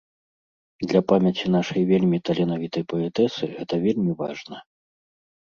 Для памяці нашай вельмі таленавітай паэтэсы гэта вельмі важна.